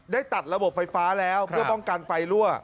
ได้ตัดระบบไฟฟ้าแล้วเพื่อป้องกันไฟรั่ว